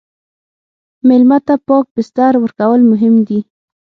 مېلمه ته پاک بستر ورکول مهم دي.